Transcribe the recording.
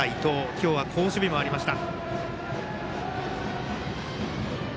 今日は好守備もありました。